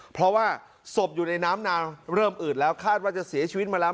เพราะว่าศพอยู่ในน้ำนานเริ่มอืดแล้วคาดว่าจะเสียชีวิตมาแล้ว